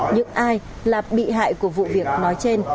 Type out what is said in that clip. những ai là bị hại của vụ việc nói trên